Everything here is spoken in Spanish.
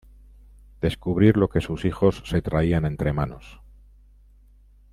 descubrir lo que sus hijos se traían entre manos